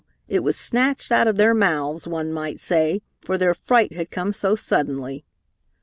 it was snatched out of their mouths, one might say, for their fright had come so suddenly.